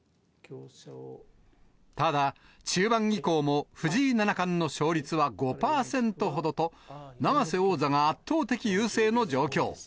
ただ、中盤以降も藤井七冠の勝率は５％ほどと、永瀬王座が圧倒的優勢の状況。